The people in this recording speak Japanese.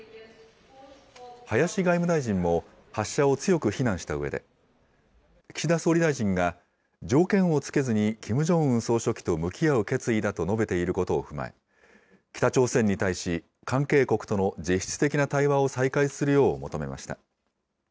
林外務大臣も、発射を強く非難したうえで、岸田総理大臣が条件を付けずにキム・ジョンウン総書記と向き合う決意だと述べていることを踏まえ、北朝鮮に対し、関係国との実質的な対話を再開するよう求めました。